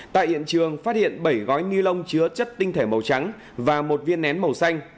tại hiện trường phát hiện bảy gói ni lông chứa chất tinh thể màu trắng và một viên nén màu xanh